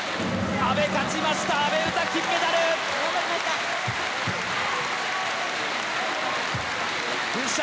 阿部勝ちました、阿部詩、金メダ頑張りました。